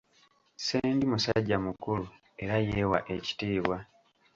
Ssendi musajja mukulu era yeewa ekitiibwa.